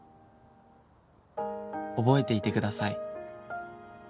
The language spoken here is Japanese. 「覚えていてください」